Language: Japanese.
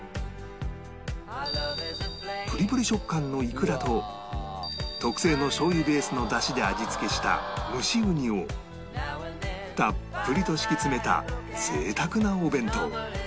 プリプリ食感のイクラと特製のしょう油ベースの出汁で味付けした蒸しうにをたっぷりと敷き詰めた贅沢なお弁当